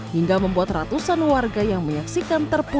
hingga membuat ratusan warga yang menanggap di kawasan wisata tersebut